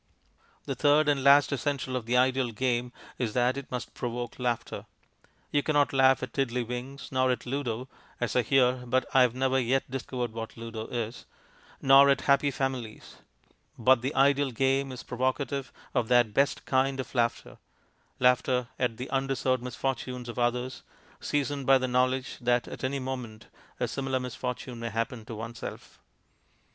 The third and last essential of the ideal game is that it must provoke laughter. You cannot laugh at Tiddleywinks, nor at Ludo (as I hear, but I have never yet discovered what Ludo is), nor at Happy Families. But the ideal game is provocative of that best kind of laughter laughter at the undeserved misfortunes of others, seasoned by the knowledge that at any moment a similar misfortune may happen to oneself.